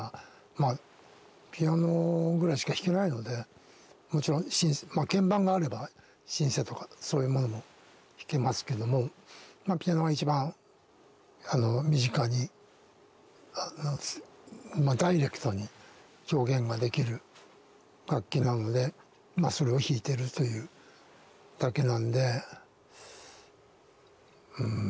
まあピアノぐらいしか弾けないのでもちろん鍵盤があればシンセとかそういうものも弾けますけどもまあピアノが一番身近にダイレクトに表現ができる楽器なのでまあそれを弾いてるというだけなんでうんま